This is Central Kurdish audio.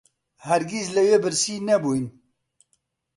هەرگیز لەوێ برسی نەبووین